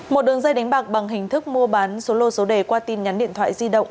một đường dây đánh bạc bằng hình thức mua bán số lô số đề qua tin nhắn điện thoại di động